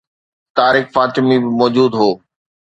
طارق فاطمي به موجود هو.